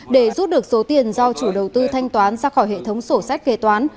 để rút được số tiền do chủ đầu tư thanh toán ra khỏi hệ thống sổ sách kế toán